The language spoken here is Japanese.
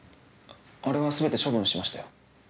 あれは全て処分しましたよ。